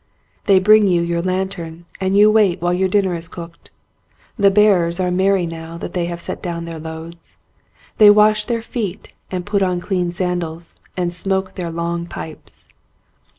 They bring you your lantern and you wait while your dinner is cooked. The bearers are merry now that they have set down their loads. They wash their feet and put on clean sandals and smoke their long pipes.